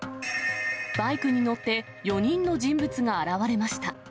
バイクに乗って、４人の人物が現れました。